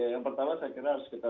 yang pertama saya kira harus kita